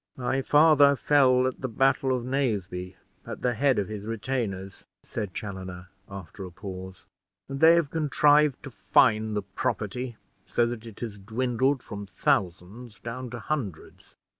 "My father fell at the battle of Naseby, at the head of his retainers," said Chaloner, after a pause; "and they have contrived to fine the property, so that it has dwindled from thousands down to hundreds.